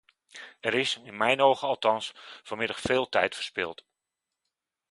Er is, in mijn ogen althans, vanmiddag veel tijd verspild.